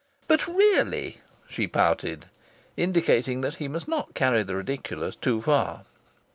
"But really " she pouted, indicating that he must not carry the ridiculous too far.